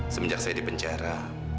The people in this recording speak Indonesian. semenjak saya di penjara